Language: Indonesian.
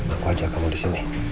aku ajak kamu disini